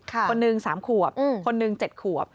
คนหนึ่งสามขวบคนหนึ่งเจ็ดขวบ